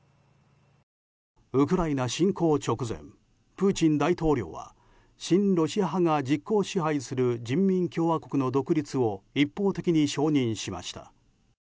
ウクライナ侵攻直前プーチン大統領は親ロシア派が実効支配する人民共和国の独立を一方的に承認しました。